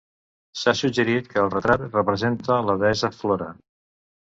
S'ha suggerit que el retrat representa la deessa Flora.